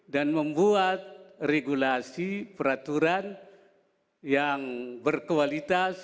dan membuat regulasi peraturan yang berkualitas